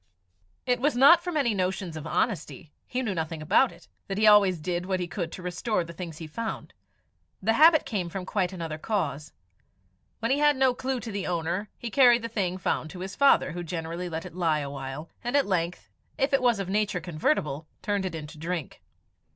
It was not from any notions of honesty he knew nothing about it that he always did what he could to restore the things he found; the habit came from quite another cause. When he had no clue to the owner, he carried the thing found to his father, who generally let it lie a while, and at length, if it was of nature convertible, turned it into drink.